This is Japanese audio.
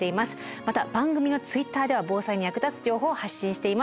また番組のＴｗｉｔｔｅｒでは防災に役立つ情報を発信しています。